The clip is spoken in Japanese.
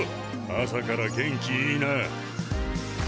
朝から元気いいな！